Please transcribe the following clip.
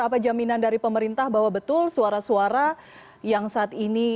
apa jaminan dari pemerintah bahwa betul suara suara yang saat ini